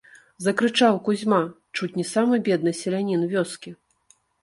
- закрычаў Кузьма, чуць не самы бедны селянiн вёскi.